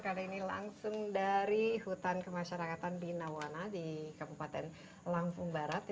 kali ini langsung dari hutan kemasyarakatan binawana di kabupaten lampung barat